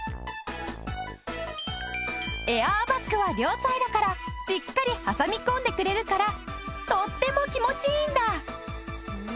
エアーバッグは両サイドからしっかり挟み込んでくれるからとっても気持ちいいんだ！